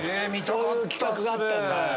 そういう企画があったんだ。